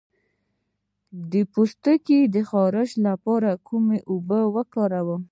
د پوستکي د خارښ لپاره کومې اوبه وکاروم؟